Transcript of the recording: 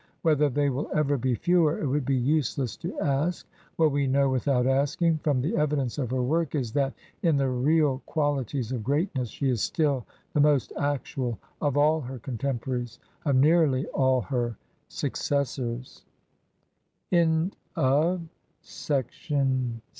Whether they will ever be fewer, it would be useless to ask; what we know without asking, from the evidence of her work, is that in the real qualities of greatness she is still the most actual of all her contemporaries, of